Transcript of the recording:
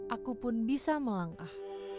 aku pun bisa melangkah